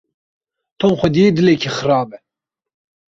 Tom xwediyê dilekî xirab e.